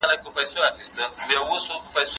که وخت وي، کښېناستل کوم؟!